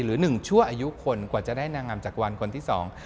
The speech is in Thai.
หรือ๑ชั่วอายุคนกว่าจะได้นางอำจักรวรรณ์คนที่สอง